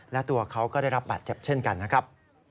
และตัวเขาก็ได้รับบาดเจ็บเช่นกันนะครับ